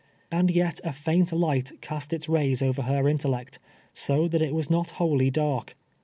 And yet a faint light cast its rays over her intellect, so that it was not wholly dark.